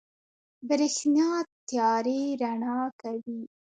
برېښنا تيارې رڼا کوي.